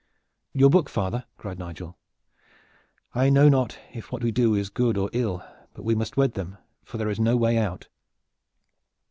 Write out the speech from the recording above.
"Your book, father!" cried Nigel. "I know not if what we do is good or ill; but we must wed them, for there is no way out."